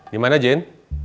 di mana jen